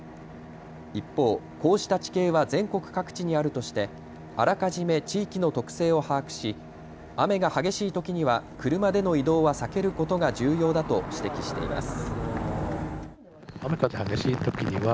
一方、こうした地形は全国各地にあるとしてあらかじめ地域の特性を把握し雨が激しいときには車での移動は避けることが重要だと指摘しています。